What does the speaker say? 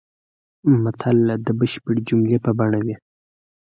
متل د بشپړې جملې په بڼه وي